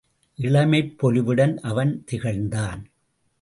இளமைப் பொலிவுடன் அவன் திகழ்ந்தான்.